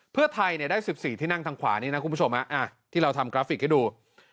เพื่อไทยได้๑๔ที่นั่งทางขวานี่นะคุณผู้ชมที่เราทำกราฟิกให้ดู